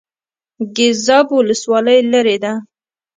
ګیزاب ولسوالۍ لیرې ده؟